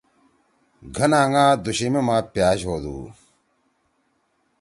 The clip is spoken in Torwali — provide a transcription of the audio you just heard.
گھن آنگا دُوشُمے ما پأش ہودُو۔